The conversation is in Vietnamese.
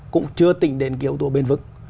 cũng chưa tỉnh đến kiểu của bền vững